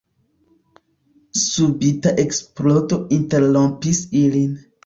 Subita eksplodo interrompis ilin.